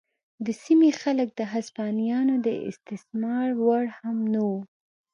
د سیمې خلک د هسپانویانو د استثمار وړ هم نه وو.